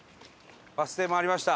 バス停もありました。